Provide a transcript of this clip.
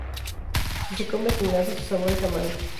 Si se come sin nada, su sabor es amargo.